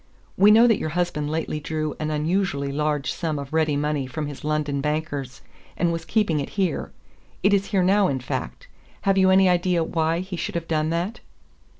"We know that your husband lately drew an unusually large sum of ready money from his London bankers, and was keeping it here. It is here now, in fact. Have you any idea why he should have done that?"